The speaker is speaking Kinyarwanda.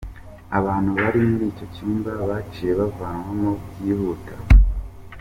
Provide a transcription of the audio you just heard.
Abantu bari muri co cumba baciye bavanwayo vyihuta.